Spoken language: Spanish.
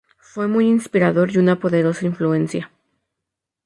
Fue muy inspirador y una poderosa influencia.